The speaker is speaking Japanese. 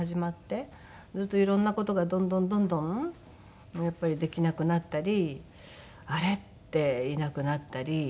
そうすると色んな事がどんどんどんどんやっぱりできなくなったりあれ？っていなくなったり。